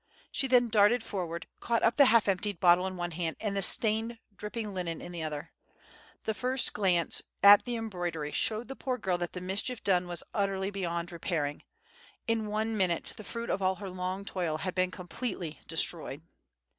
She then darted forward, caught up the half emptied bottle in one hand, and the stained, dripping linen in the other. The first glance at the embroidery showed the poor girl that the mischief done was utterly beyond repairing; in one minute the fruit of all her long toil had been completely destroyed!